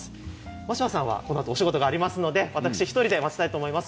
真柴さんはこのあと仕事がありますので私１人で待ちたいと思います。